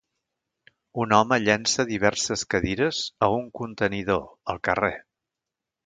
Un home llença diverses cadires a un contenidor al carrer.